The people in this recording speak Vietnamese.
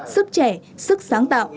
sức trẻ sức sáng tạo